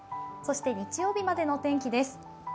そして日曜日までの天気です。